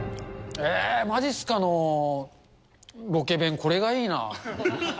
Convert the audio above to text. えー、まじっすかのロケ弁、これがいいな。